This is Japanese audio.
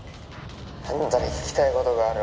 「あんたに聞きたい事がある」